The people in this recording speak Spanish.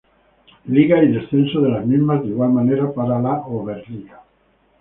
Liga y descensos de la misma, de igual manera para la Oberliga.